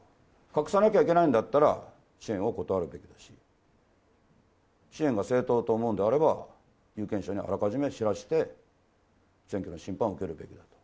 隠さなきゃいけないんだったら、支援を断るべきだし、支援が正当と思うのであれば、有権者にあらかじめシェアして、選挙の審判を受けるべき。